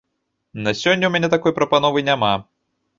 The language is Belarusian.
На сёння ў мяне такой прапановы няма.